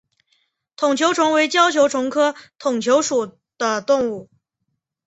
筒球虫为胶球虫科筒球虫属的动物。